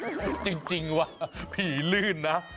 เออผีรื่นจริงวะผีรื่นนะ